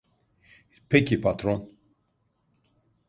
Peki patron.